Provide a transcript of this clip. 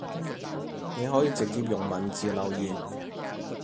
你可以直接用文字留言